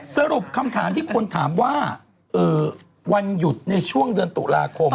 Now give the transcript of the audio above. สรุปคำถามที่คนถามว่าวันหยุดในช่วงเดือนตุลาคม